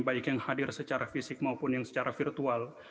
baik yang hadir secara fisik maupun yang secara virtual